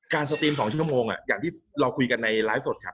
สตรีม๒ชั่วโมงอย่างที่เราคุยกันในไลฟ์สดครับ